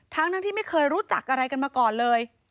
ทั้งที่ไม่เคยรู้จักอะไรกันมาก่อนเลย